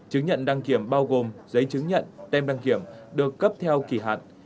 chứng nhận đăng kiểm bao gồm giấy chứng nhận tem đăng kiểm được cấp theo kỳ hạn